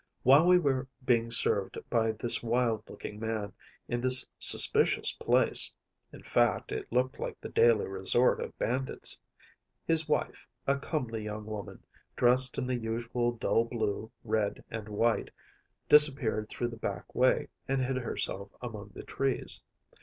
While we were being served by this wild looking man, in this suspicious place‚ÄĒin fact, it looked like the daily resort of bandits‚ÄĒhis wife, a comely young woman, dressed in the usual dull blue, red, and white, disappeared through the back way, and hid herself among the trees.